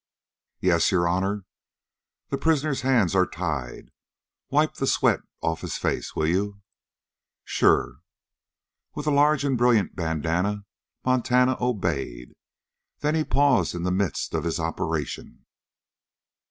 "Yes, your honor." "The prisoner's hands are tied. Wipe the sweat off'n his face, will you?" "Sure!" With a large and brilliant bandanna Montana obeyed. Then he paused in the midst of his operation.